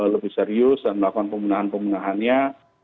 lebih serius dan melakukan pemenahan pemenahannya